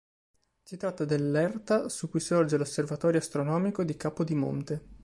Si tratta dell'erta su cui sorge l'Osservatorio astronomico di Capodimonte.